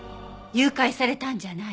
誘拐されたんじゃない？